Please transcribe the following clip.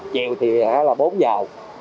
chiều thì là bốn giờ